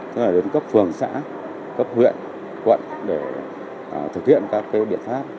tức là đến cấp phường xã cấp huyện quận để thực hiện các biện pháp